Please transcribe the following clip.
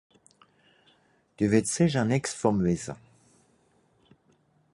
Dü wìtt sìcher nìx vùm wìsse ?